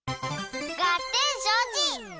ガッテンしょうち！